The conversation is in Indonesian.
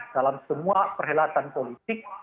dalam semua perhelatan politik